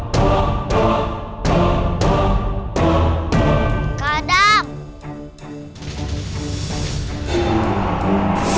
kamu bisa jadiin keras